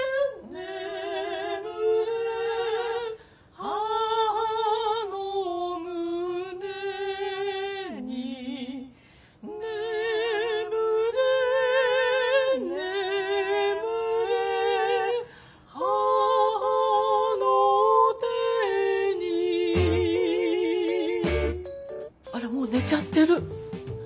ねむれ母のむねにねむれねむれ母の手にあらもう寝ちゃってる。